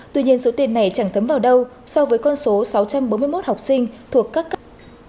tuy nhiên số tiền này chẳng thấm vào đâu so với con số sáu trăm bốn mươi một học sinh thuộc các cấp